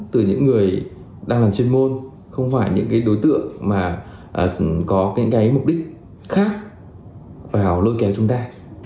từ những người đang làm chuyên môn không phải những cái đối tượng mà có cái mục đích khác vào lôi kéo chúng ta